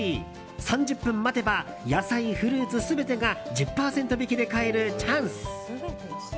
３０分待てば野菜、フルーツ全てが１０％引きで買えるチャンス。